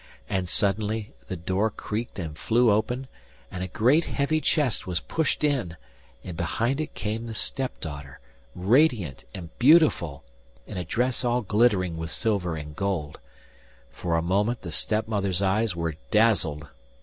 And suddenly the door creaked and flew open, and a great heavy chest was pushed in, and behind it came the step daughter, radiant and beautiful, in a dress all glittering with silver and gold. For a moment the step mother's eyes were dazzled.